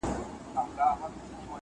زه اوس د ښوونځی لپاره امادګي نيسم!